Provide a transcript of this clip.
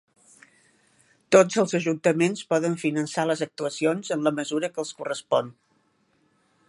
Tots els ajuntaments poden finançar les actuacions en la mesura que els correspon.